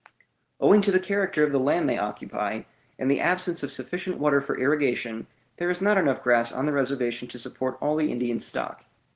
Owing to the character of the land they occupy, and the absence of sufficient water for irrigation, there is not enough grass on the reservation to support all the Indian stock.